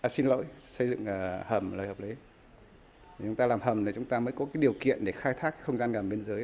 chúng ta làm hầm là chúng ta mới có điều kiện để khai thác không gian ngầm bên dưới